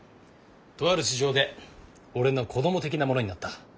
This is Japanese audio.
とある事情で俺の子ども的なものになった。